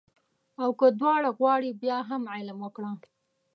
او که دواړه غواړې بیا هم علم وکړه